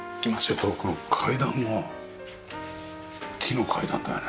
この階段が木の階段だよね？